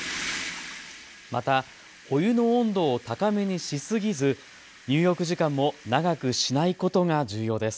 お湯の温度を高めにしすぎず入浴時間も長くしないことが重要です。